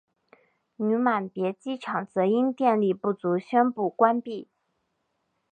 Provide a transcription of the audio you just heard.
女满别机场则因电力不足宣布关闭。